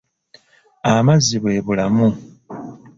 Amazzi bw'ebulamu.